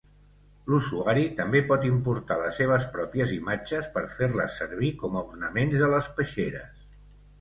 L'usuari també pot importar les seves pròpies imatges per fer-les servir com a ornaments de les peixeres.